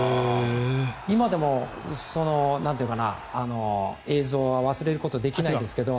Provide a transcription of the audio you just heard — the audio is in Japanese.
今でも映像は忘れることができないんですけど。